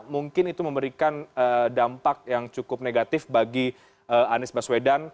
mungkin itu memberikan dampak yang cukup negatif bagi anies baswedan